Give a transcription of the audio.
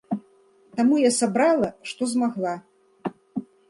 Таму я сабрала, што змагла.